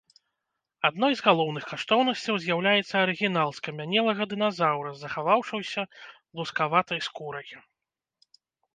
Адной з галоўных каштоўнасцяў з'яўляецца арыгінал скамянелага дыназаўра з захаваўшайся лускаватай скурай.